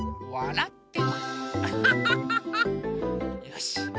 よし！